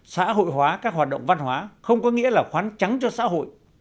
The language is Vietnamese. xã hội hóa các hoạt động văn hóa không có nghĩa là khoán trắng cho xã hội